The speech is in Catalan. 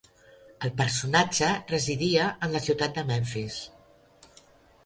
El personatge residia en la ciutat de Memfis.